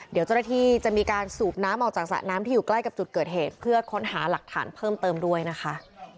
เดี๋ยวเจ้าหน้าที่จะมีการสูบน้ำออกจากสระน้ำที่อยู่ใกล้กับจุดเกิดเหตุเพื่อค้นหาหลักฐานเพิ่มเติมด้วยนะคะ